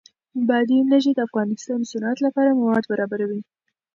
بادي انرژي د افغانستان د صنعت لپاره مواد برابروي.